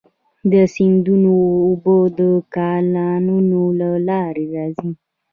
د سیندونو اوبه د کانالونو له لارې راځي.